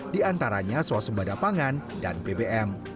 di antaranya swab sepeda pangan dan bbm